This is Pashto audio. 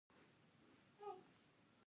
اجنتا او ایلورا غارونه نقاشي شول.